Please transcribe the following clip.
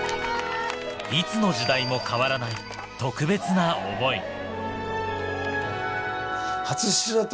いつの時代も変わらない、特別な思い。